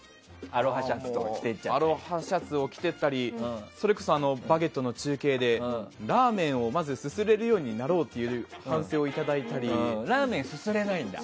アロハシャツを着ていったりそれこそ「バゲット」の中継でラーメンを、まずすすれるようになろうというラーメンすすれないんだ？